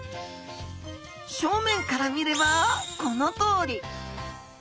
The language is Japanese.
正面から見ればこのとおり。